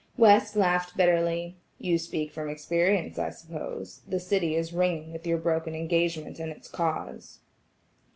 West laughed bitterly: "You speak from experience I suppose; the city is ringing with your broken engagement and its cause."